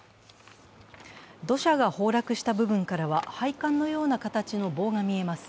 土砂が崩落した部分からは配管のような形の棒が見えます。